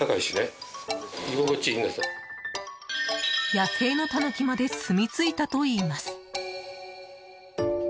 野生のタヌキまですみついたといいます。